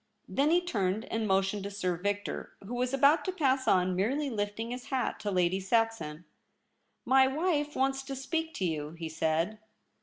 Then he turned and motioned to Sir Victor, who was about to pass on, merely lifting his hat to Lady Saxon. ' My wife wants to speak to you,' he said.